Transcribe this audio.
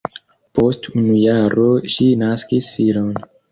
Post unu jaro ŝi naskis filon.